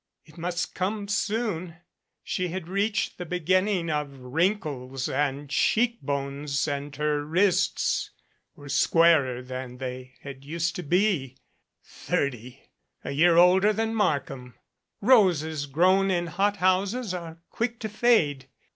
It must come soon. She had reached the beginning of wrinkles and cheekbones and her wrists were squarer than they used to be. Thirty! a year older than Markham! Roses grown in hothouses are quick to fade.